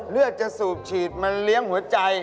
เลือดจะสูบฉีดมันเลี้ยงหัวใจ